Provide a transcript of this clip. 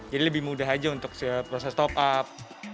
jadi lebih mudah aja untuk proses top up